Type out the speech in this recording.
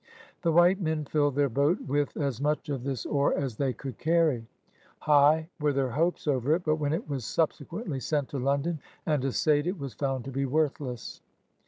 The white men filled their boat with as much of this ore as they could carry. 52 nONEERS OF THE OLD SOUTH High were their hopes over it, but when it was subsequently sent to London and assayed, it was found to be worthless.